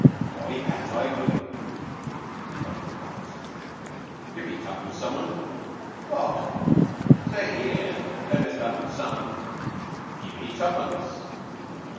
"My Hat! I will." He felt in his pockets. "Give me tuppence, some one." "Rot! Stay here, and don't mess about in the sun." "Gi' me tuppence."